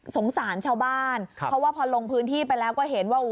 สงสารชาวบ้านเพราะว่าพอลงพื้นที่ไปแล้วก็เห็นว่า